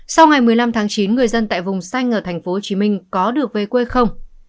sau ngày một mươi năm tháng chín người dân tại vùng xanh ở tp hcm có được về quê không